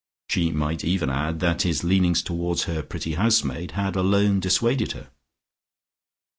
She might even add that his leanings towards her pretty housemaid had alone dissuaded her.